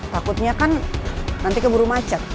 takutnya kan nanti keburu macet